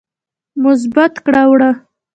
مثبت کړه وړه